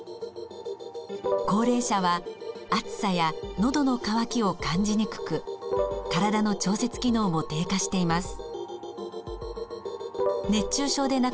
高齢者は暑さやのどの渇きを感じにくく体の調節機能も低下しています。